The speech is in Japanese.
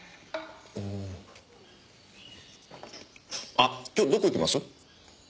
あっ今日どこ行きます？